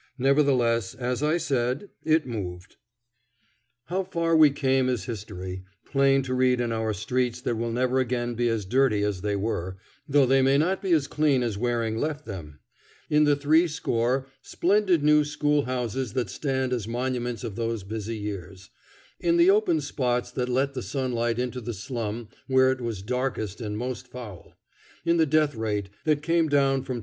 Nevertheless, as I said, it moved. How far we came is history, plain to read in our streets that will never again be as dirty as they were, though they may not be as clean as Waring left them; in the threescore splendid new school houses that stand as monuments of those busy years; in the open spots that let the sunlight into the slum where it was darkest and most foul; in the death rate that came down from 26.